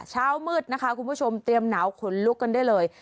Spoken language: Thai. เช้ามืดนะคะคุณผู้ชมเตรียมหนาวขนลุกกันได้เลย